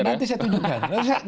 nanti saya tunjukkan